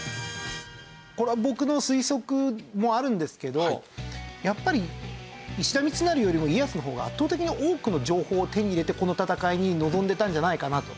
これは僕の推測もあるんですけどやっぱり石田三成よりも家康の方が圧倒的に多くの情報を手に入れてこの戦いに臨んでたんじゃないかなと。